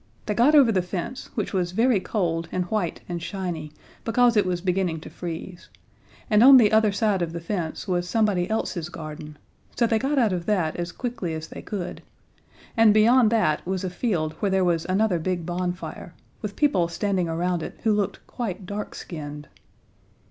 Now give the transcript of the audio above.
They got over the fence, which was very cold and white and shiny because it was beginning to freeze, and on the other side of the fence was somebody else's garden, so they got out of that as quickly as they could, and beyond that was a field where there was another big bonfire, with people standing around it who looked quite dark skinned.